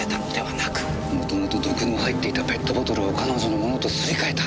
もともと毒の入っていたペットボトルを彼女のものとすり替えた？